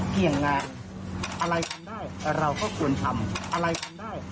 เพียงอะไรทำได้